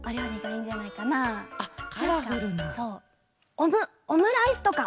オムオムライスとか！